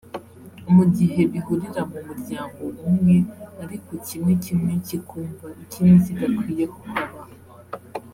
mu gihe bihurira mu muryango umwe ariko kimwe kimwe kikumva ikindi kidakwiye kuhaba